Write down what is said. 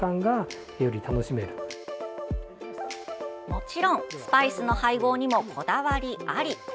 もちろんスパイスの配合にもこだわりあり。